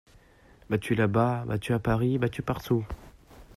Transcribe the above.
Battu là-bas, battu à Paris, battu partout.